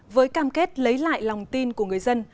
với cam kết lấy lại lòng tin của người dân